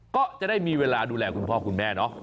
ก็จะได้มีเวลาดูแลคุณพ่อคุณแม่เนาะ